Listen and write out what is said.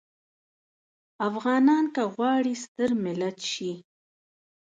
افغانان که غواړي ستر ملت شي.